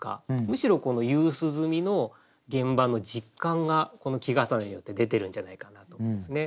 むしろこの夕涼みの現場の実感がこの季重なりによって出てるんじゃないかなと思いますね。